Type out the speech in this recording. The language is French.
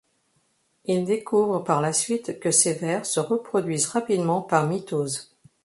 Ils découvrent par la suite que ces vers se reproduisent rapidement par mitose.